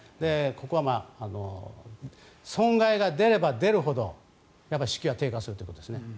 ここは損害が出れば出るほど士気は低下するということです。